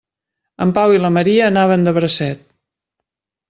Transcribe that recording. En Pau i la Maria anaven de bracet.